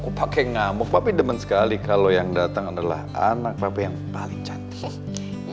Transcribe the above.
kok pake ngamuk papi demen sekali kalo yang dateng adalah anak reva yang paling cantik